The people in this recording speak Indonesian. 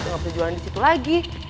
gak boleh jualan disitu lagi